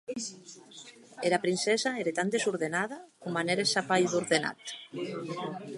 Era princessa ère tan desordenada, coma n’ère sa pair d’ordenat.